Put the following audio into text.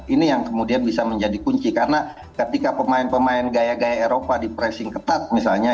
ini yang kemudian bisa menjadi kunci karena ketika pemain pemain gaya gaya eropa di pressing ketat misalnya